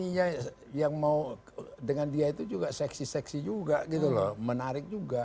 iya yang mau dengan dia itu juga seksi seksi juga gitu loh menarik juga